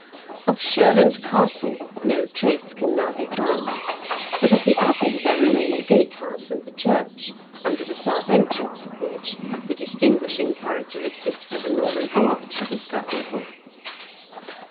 Of Shurland Castle no trace can now be found, but of the abbey there remain the gat^ house and the church, under the south entrance of which the distinguishing charac teristics of a Norman arch are discoverable.